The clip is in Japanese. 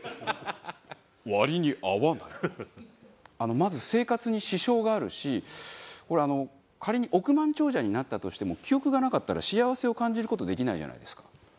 まず生活に支障があるしこれあの仮に億万長者になったとしても記憶がなかったら幸せを感じる事できないじゃないですか。